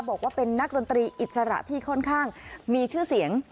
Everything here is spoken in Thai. บอกว่าเป็นนักดนตรีอิสระที่ค่อนข้างมีชื่อเสียง